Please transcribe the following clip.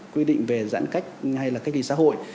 quy định về giãn cách hay là cách đi xã hội